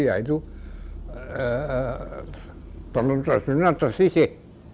yaitu tenun tersisih